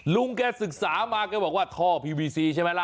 ลุงแกศึกษามาแกบอกว่าท่อพีวีซีใช่ไหมล่ะ